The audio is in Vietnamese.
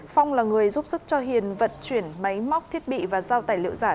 phong là người giúp sức cho hiền vận chuyển máy móc thiết bị và giao tài liệu giả